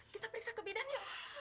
kita periksa kebidan yuk